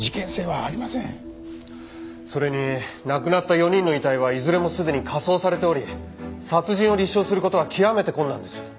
それに亡くなった４人の遺体はいずれもすでに火葬されており殺人を立証する事は極めて困難です。